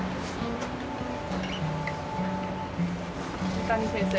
三谷先生。